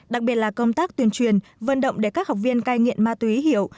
đặc biệt là công tác tuyên truyền vận động để các học viên cai nghiện ma túy hiểu